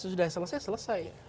sudah selesai selesai